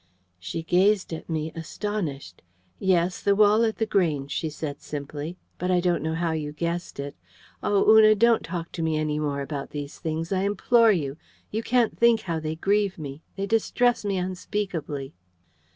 She gazed at me, astonished. "Yes, the wall at The Grange," she said simply. "But I don't know how you guessed it.... Oh, Una, don't talk to me any more about these things, I implore you. You can't think how they grieve me. They distress me unspeakably."